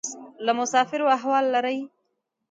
له مسافرو احوال لرې؟